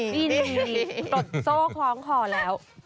ดีตกโซ่ของขอแล้ว